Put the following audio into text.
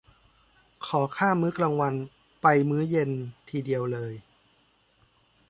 ขอข้ามมื้อกลางวันไปกินมื้อเย็นทีเดียวเลย